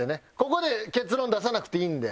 ここで結論出さなくていいんで。